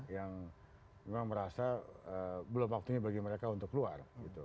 yang memang merasa belum waktunya bagi mereka untuk keluar